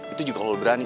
itu juga kalau lo berani